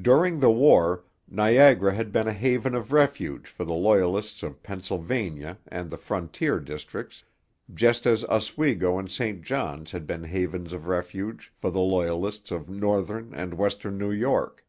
During the war Niagara had been a haven of refuge for the Loyalists of Pennsylvania and the frontier districts, just as Oswego and St Johns had been havens of refuge for the Loyalists of northern and western New York.